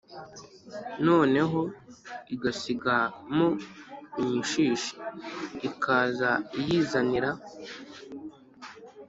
noneho igasiga mo imishishi, ikaza iyizanira,